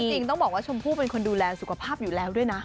จริงต้องบอกว่าชมพู่เป็นคนดูแลสุขภาพอยู่แล้วด้วยนะ